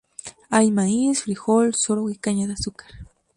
Hay maíz, frijol, sorgo, y caña de azúcar.